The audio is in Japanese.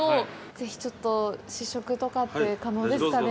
ぜひちょっと試食とかって可能ですかね？